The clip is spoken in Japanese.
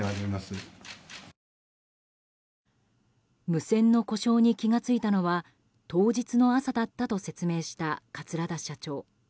無線の故障に気が付いたのは当日の朝だったと説明した桂田社長。